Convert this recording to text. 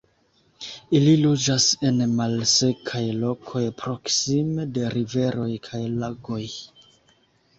Ili loĝas en malsekaj lokoj proksime de riveroj kaj lagoj.